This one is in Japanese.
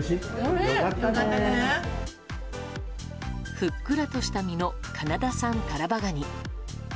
ふっくらとした身のカナダ産タラバガニ。